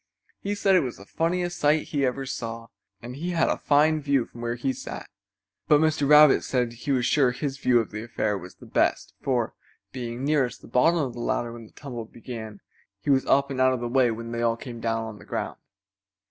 He said it was the funniest sight he ever saw, and he had a fine view from where he sat. But Mr. Rabbit said he was sure his view of the affair was the best, for, being nearest the bottom of the ladder when the tumble began, he was up and out of the way when they all came down on the ground.